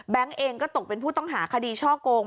เองก็ตกเป็นผู้ต้องหาคดีช่อกง